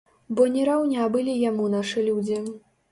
Бо не раўня былі яму нашы людзі.